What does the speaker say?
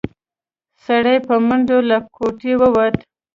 سړی په منډه له کوټې ووت.